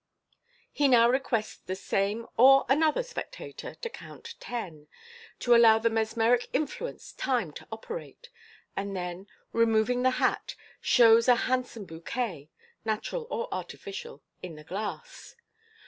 He now requests the same or another spectator to count ten, to allow the mesmeric influence time to ope rate, and then, removing the hat, shows a handsome bouquet (natural or artificial) in the glass.